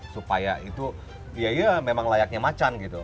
supaya itu ya iya memang layaknya macan gitu